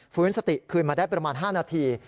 สติคืนมาได้ประมาณ๕นาที